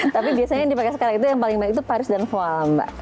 tapi biasanya yang dipakai sekarang itu yang paling baik itu paris dan fual mbak